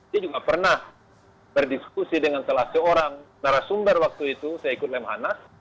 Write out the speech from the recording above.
saya juga pernah berdiskusi dengan salah seorang narasumber waktu itu saya ikut lem hanas